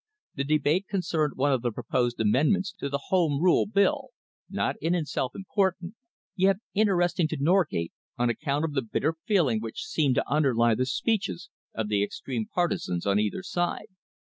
The debate concerned one of the proposed amendments to the Home Rule Bill, not in itself important, yet interesting to Norgate on account of the bitter feeling which seemed to underlie the speeches of the extreme partisans on either side.